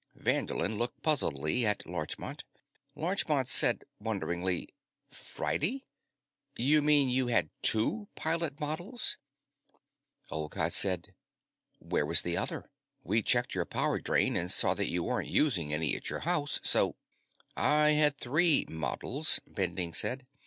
Vanderlin looked puzzledly at Larchmont. Larchmont said wonderingly: "Friday? You mean you had two pilot models?" Olcott said: "Where was the other? We checked your power drain and saw you weren't using any at your house, so " "I had three models," Bending said.